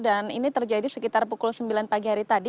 dan ini terjadi sekitar pukul sembilan pagi hari tadi